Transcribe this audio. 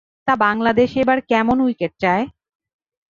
তা বাংলাদেশ এবার কেমন উইকেট চায়?